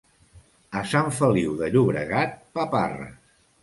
A Sant Feliu de Llobregat, paparres.